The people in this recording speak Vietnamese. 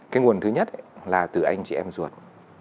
cái nguồn thứ nhất là từ anh chị em ruột